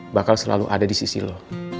bakal selalu ada di sisi lo